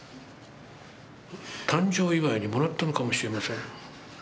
誕生祝にもらったのかもしれません。